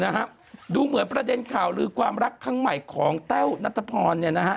นะฮะดูเหมือนประเด็นข่าวลือความรักครั้งใหม่ของแต้วนัทพรเนี่ยนะฮะ